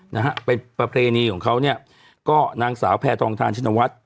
นะฮะเป็นประเพณีของเขาเนี่ยก็นางสาวแพทองทานชินวัฒน์